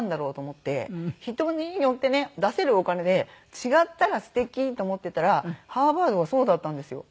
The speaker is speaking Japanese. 人によってね出せるお金で違ったら素敵と思ってたらハーバードがそうだったんですよ。